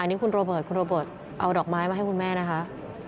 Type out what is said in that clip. อันนี้คุณโรเบิร์ดเอาดอกไม้มาให้คุณแม่นะครับ